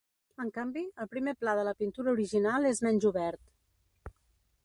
En canvi, el primer pla de la pintura original és menys obert.